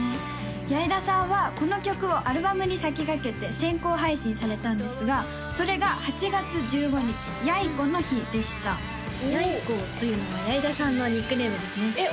矢井田さんはこの曲をアルバムに先駆けて先行配信されたんですがそれが８月１５日ヤイコの日でしたヤイコというのは矢井田さんのニックネームですねえっ